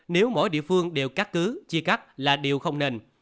nếu mỗi địa phương đều cắt cứ chia cắt là điều không nên